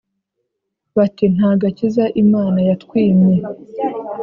Bati nta gakiza Imana yatwimye